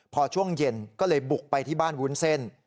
พอช่วงเย็นก็เลยบุกไปที่บ้านวุ้นเส้น